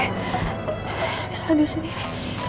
ini salah dia sendiri